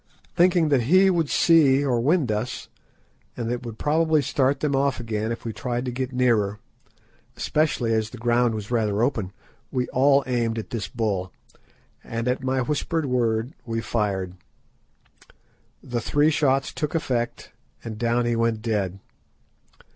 Thinking that he would see or wind us, and that it would probably start them off again if we tried to get nearer, especially as the ground was rather open, we all aimed at this bull, and at my whispered word, we fired. The three shots took effect, and down he went dead.